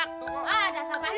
wah dasar bahil